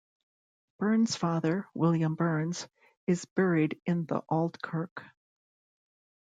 Burns's father, William Burnes, is buried in the Auld Kirk.